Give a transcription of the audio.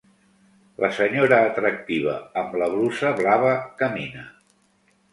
La senyora atractiva amb la brusa blava camina.